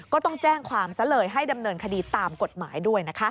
ก็ต้องแจ้งความซะเลยให้ดำเนินคดีตามกฎหมายด้วยนะคะ